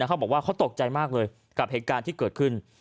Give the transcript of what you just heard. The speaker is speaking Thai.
เขาบอกว่าเขาตกใจมากเลยกับเหตุการณ์ที่เกิดขึ้น